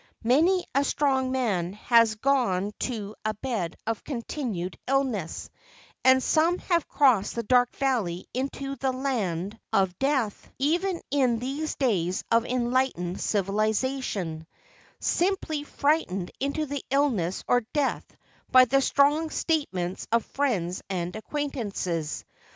Many a strong man has gone to a bed of continued illness, and some have crossed the dark valley into the land THE OLD MAN OF THE MOUNTAIN 81 of death, even in these days of enlightened civilization, simply frightened into the illness or death by the strong statements of friends and acquaintances.